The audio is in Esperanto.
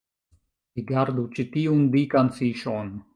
Rigardu ĉi tiun dikan fiŝon